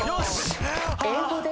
英語で？